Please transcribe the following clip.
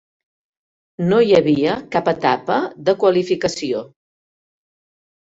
No hi havia cap etapa de qualificació.